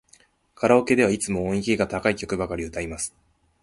カラオケではいつも音域が高い曲ばかり歌います。